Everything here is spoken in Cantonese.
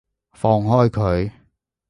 放開佢！